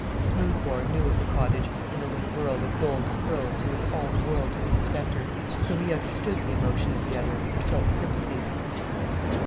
Smoothbore knew of the cottage and the little girl with golden curls who was all the world to the inspector; so he understood the emotion of the other and felt sympathy.